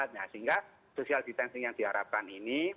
sehingga social distancing yang diharapkan ini